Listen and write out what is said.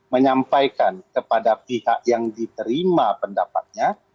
menyampaikan kepada pihak yang diterima pendapatnya